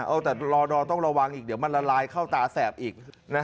เอาแต่รอดอต้องระวังอีกเดี๋ยวมันละลายเข้าตาแสบอีก